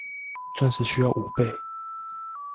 鑽石需要五倍